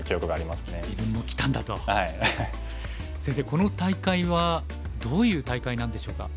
この大会はどういう大会なんでしょうか？